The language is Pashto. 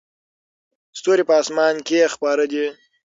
ستوري په اسمان کې خپاره دي.